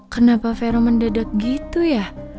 kenapa vero mendadak gitu ya